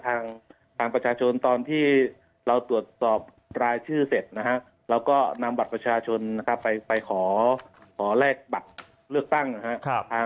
ทางประชาชนตอนที่เราตรวจสอบรายชื่อเสร็จนะฮะเราก็นำบัตรประชาชนนะครับไปขอขอแลกบัตรเลือกตั้งนะครับ